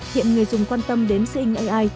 hiện người dùng quan tâm đến seeing ai